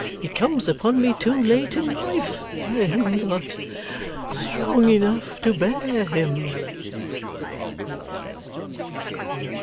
He comes upon me too late in life. I am not strong enough to bear him!